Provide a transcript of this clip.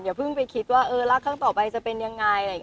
เพิ่งไปคิดว่าเออรักครั้งต่อไปจะเป็นยังไง